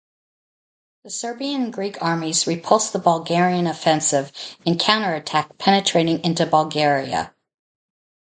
The Serbian and Greek armies repulsed the Bulgarian offensive and counterattacked penetrating into Bulgaria.